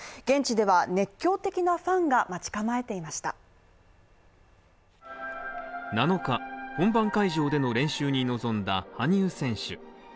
現地では熱狂的なファンが待ち構えていました７日、本番会場での練習に臨んだ羽生選手。